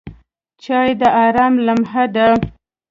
چای د آرام لمحه ده.